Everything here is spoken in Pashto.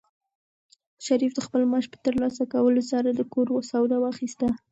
شریف د خپل معاش په ترلاسه کولو سره د کور سودا واخیسته.